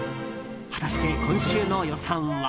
果たして、今週の予算は？